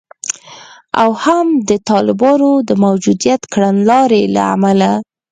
او هم د طالبانو د موجوده کړنلارې له امله